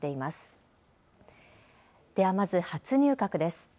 ではまず、初入閣です。